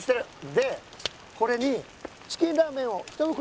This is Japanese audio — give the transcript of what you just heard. でこれにチキンラーメンを１袋入れます。